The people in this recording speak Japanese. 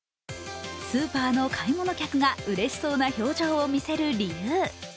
スーパーの買い物客がうれしそうな表情を見せる理由。